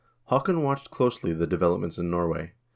Haakon watched closely the developments in Norway.